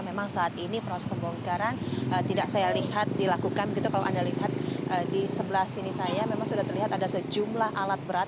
memang saat ini proses pembongkaran tidak saya lihat dilakukan begitu kalau anda lihat di sebelah sini saya memang sudah terlihat ada sejumlah alat berat